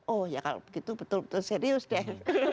oh ya kalau begitu betul betul serius deh